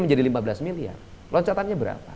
menjadi lima belas miliar loncatannya berapa